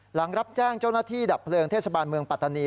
หลังรับแจ้งเจ้าหน้าที่ดับเพลิงเทศบาลเมืองปัตตานี